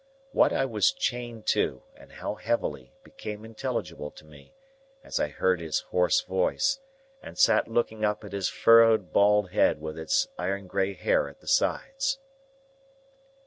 What I was chained to, and how heavily, became intelligible to me, as I heard his hoarse voice, and sat looking up at his furrowed bald head with its iron grey hair at the sides.